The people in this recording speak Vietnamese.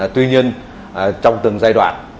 tuy nhiên trong từng giai đoạn